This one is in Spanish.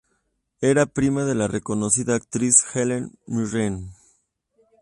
Era prima de la reconocida actriz Helen Mirren.